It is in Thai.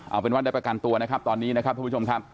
เอาเป็นว่าได้ประกันตัวนะครับตอนนี้นะครับทุกผู้ชมครับ